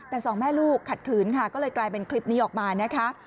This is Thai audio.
แต่สองแม่ลูกขัดขืนค่ะก็เลยกลายเป็นคลิปนี้ออกมานะคะ